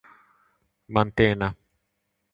Mantena